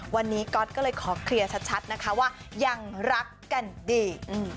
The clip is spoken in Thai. วันนี้ก๊อตก็เลยขอเคลียร์ชัดนะคะว่ายังรักกันดี